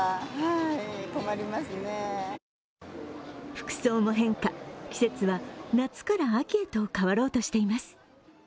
服装も変化、季節は夏から秋へと変わろうとしています。